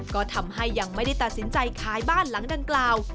ก็ทำให้ยังไม่ได้ตัดสินใจขายบ้านหลังดังกล่าว